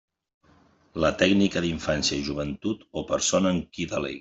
La Tècnica d'Infància i Joventut o persona en qui delegui.